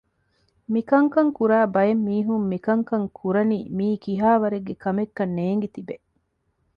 މިކަންކަން ކުރާ ބައެއް މީހުން މިކަންކަން ކުރަނީ މިއީ ކިހާވަރެއްގެ ކަމެއްކަން ނޭނގި ތިބޭ